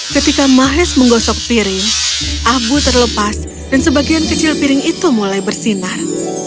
ketika mahes menggosok piring abu terlepas dan sebagian kecil piring itu mulai bersinar